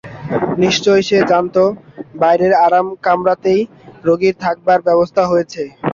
নিশ্চয় সে জানত, বাইরের আরাম-কামরাতেই রোগীর থাকবার ব্যবস্থা হয়েছে।